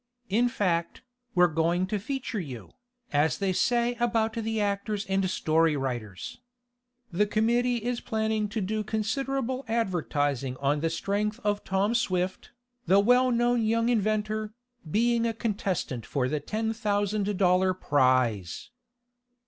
In fact, we're going to feature you, as they say about the actors and story writers. The committee is planning to do considerable advertising on the strength of Tom Swift, the well known young inventor, being a contestant for the ten thousand dollar prize."